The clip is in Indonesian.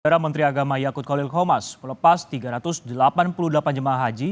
era menteri agama yakut khalil komas melepas tiga ratus delapan puluh delapan jemaah haji